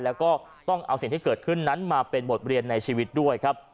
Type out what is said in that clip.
แล้วก็ต้องเอาสิ่งที่เกิดขึ้นนั้นมาเป็นบทเรียนในชีวิตด้วยครับ